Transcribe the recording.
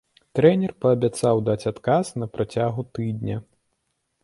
Трэнер паабяцаў даць адказ на працягу тыдня.